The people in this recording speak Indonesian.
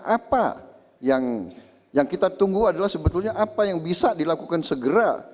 apa yang kita tunggu adalah sebetulnya apa yang bisa dilakukan segera